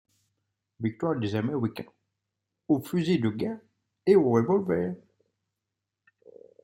Victoire des Américains, au fusil de guerre et au revolver.